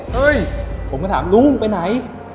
เฮ้ยผมก็ถามลุงไปไหน